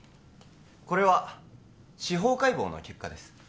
これは司法解剖の結果です